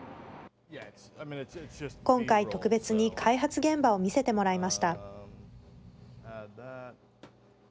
今回、特別に開発現場を見せてもらいました。